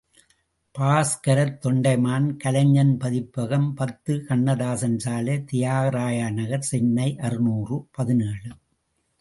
பாஸ்கரத்தொண்டைமான் கலைஞன் பதிப்பகம் பத்து, கண்ணதாசன் சாலை தியாகராய நகர் சென்னை அறுநூறு பதினேழு .